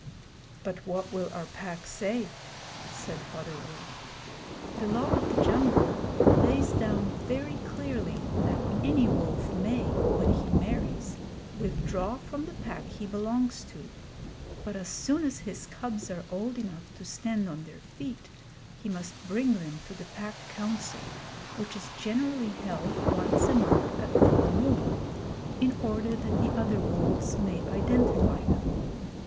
'But what will our Pack say?' said Father Wolf. The Law of the Jungle lays down very clearly that any wolf may, when he marries, withdraw from the Pack he belongs to; but as soon as his cubs are old enough to stand on their feet he must bring them to the Pack Council, which is generally held once a month at full moon, in order that the other wolves may identify them.